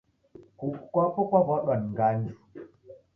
Kughu kwapo kwaw'uadwa ni nganju